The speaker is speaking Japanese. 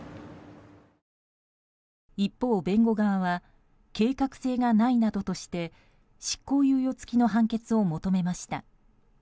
一方、弁護側は計画性がないなどとして執行猶予付きの判決を求めました。